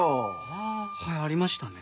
ああはいありましたね。